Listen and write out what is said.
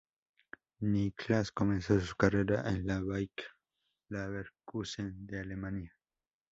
Niclas comenzó su carrera en el Bayer Leverkusen de Alemania.